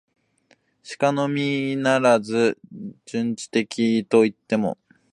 しかのみならず、純知識的といっても、